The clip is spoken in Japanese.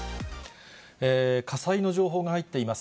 火災の情報が入っています。